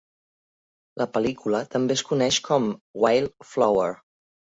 La pel·lícula també es coneix com "Wild Flower".